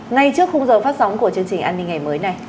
ngay trước khung giờ phát sóng của chương trình an ninh ngày mới này